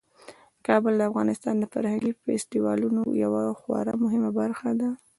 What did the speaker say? کابل د افغانستان د فرهنګي فستیوالونو یوه خورا مهمه برخه ده.